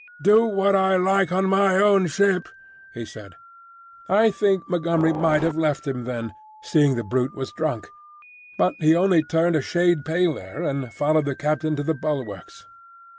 "Do what I like on my own ship," he said. I think Montgomery might have left him then, seeing the brute was drunk; but he only turned a shade paler, and followed the captain to the bulwarks.